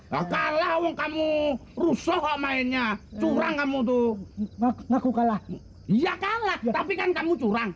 nah kalau kamu rusuh kok mainnya curang kamu tuh ngaku kalah iya kalah tapi kan kamu curang